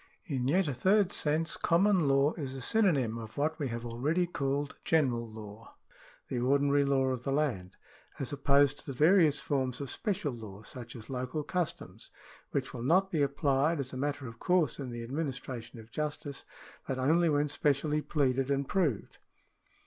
— In yet a third sense common law is a synonym of what we have already called general law, the ordinary law of the land, as opposed to the various forms of special law, such as local customs, which will not be applied as a matter of course in the administration of justice, but only when specially pleaded and proved.